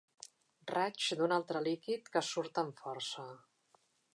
Raig d'un altre líquid que surt amb força.